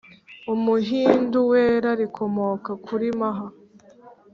umuhindu wera, rikomoka kuri maha